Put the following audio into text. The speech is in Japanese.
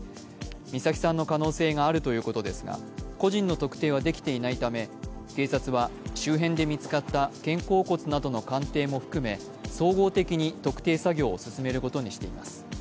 美咲さんの可能性があるということですが、個人の特定はできていないため、警察は周辺で見つかった肩甲骨などの鑑定も含め総合的に特定作業を進めることにしています。